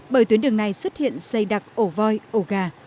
bởi tuyến đường này xuất hiện xây đặc ổ voi ổ gà